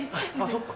そっか。